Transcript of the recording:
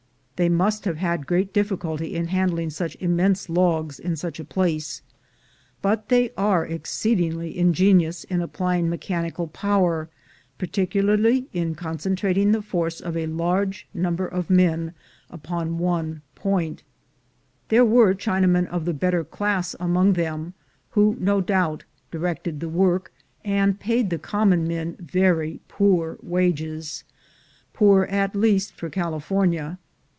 They must have had great difficulty in handling such immense logs in such a place; but they are exceedingly ingenious in applying mechanical power, particularly in con centrating the force of a large number of men upon one point. 252 CHINESE IN THE EARLY DAYS 253 There were Chinamen of the better class among them, who no doubt directed the work, and paid the common men very poor wages — poor at least for Cali fornia.